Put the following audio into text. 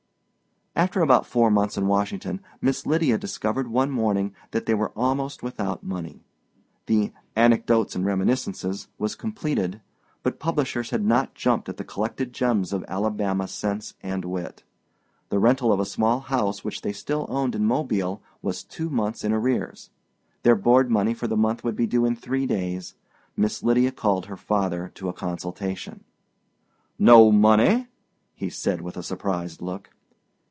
After about four months in Washington, Miss Lydia discovered one morning that they were almost without money. The Anecdotes and Reminiscences was completed, but publishers had not jumped at the collected gems of Alabama sense and wit. The rental of a small house which they still owned in Mobile was two months in arrears. Their board money for the month would be due in three days. Miss Lydia called her father to a consultation. "No money?" said he with a surprised look.